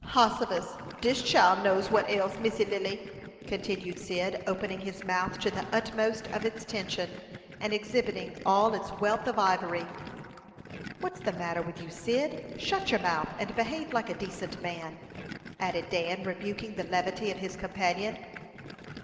"Hossifus! Dis chile knows what ails Missy Lily," continued Cyd, opening his mouth to the utmost of its tension, and exhibiting all its wealth of ivory. "What's the matter with you, Cyd? Shut your mouth, and behave like a decent man," added Dan, rebuking the levity of his companion.